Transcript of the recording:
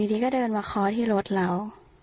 ดีดีก็เดินมาคอร์สที่รถเรา